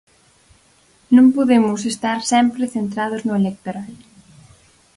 Non podemos estar sempre centrados no electoral.